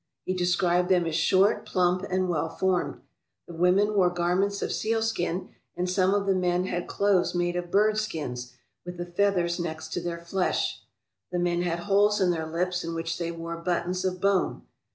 He described them as short, plump, and well formed. The women wore garments of sealskin, and some of the men had clothes made of bird skins, with the feathers next to their flesh. The men had holes in their lips in which they wore buttons of bone.